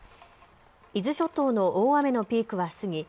伊豆諸島の大雨のピークは過ぎ